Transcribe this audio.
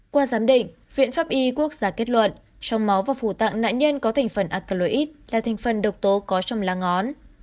qua giám định viện pháp y quốc gia kết luận trong máu và phủ tạng nạn nhân có thành phần acluit là thành phần độc tố có trong lá ngón